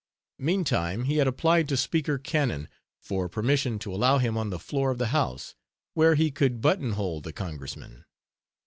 Meantime he had applied to Speaker Cannon for permission to allow him on the floor of the House, where he could buttonhole the Congressmen.